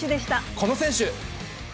この選手。